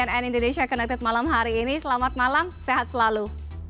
dan cnn indonesia connected malam hari ini selamat malam sehat selalu